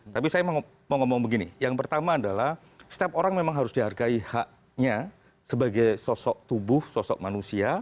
tapi saya mau ngomong begini yang pertama adalah setiap orang memang harus dihargai haknya sebagai sosok tubuh sosok manusia